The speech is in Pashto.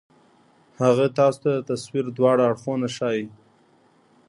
هغه تاسو ته د تصوير دواړه اړخونه ښائي